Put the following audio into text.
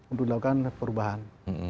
untuk melakukan perubahan